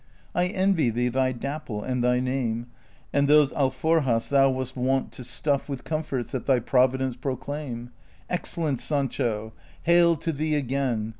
I envy thee thy Dapple, and thy name. And those alforjas thou wast wont to stuff With comforts that thy providence proclaim, Excellent Sancho ! hail to thee again